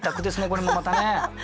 これもまたね。